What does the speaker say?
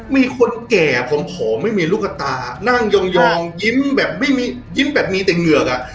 มีคนแก่ผอมไม่มีลูกตานั่งยองยิ้มแบบไม่มียิ้มแบบมีแต่เหงือกอ่ะ